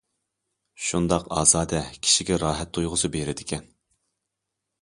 شۇنداق ئازادە، كىشىگە راھەت تۇيغۇسى بېرىدىكەن.